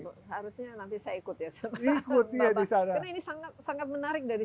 itu pengen kesana lagi harusnya nanti saya ikut ya sama ikut ya bisa sangat sangat menarik dari